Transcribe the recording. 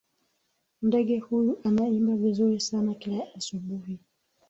Ndege huyu anaimba vizuri sana kila asubuhi.